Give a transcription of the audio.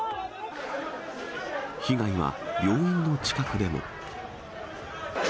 被害は病院の近くでも。